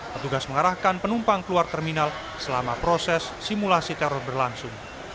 petugas mengarahkan penumpang keluar terminal selama proses simulasi teror berlangsung